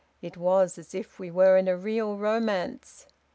It was as if we were in a real romance.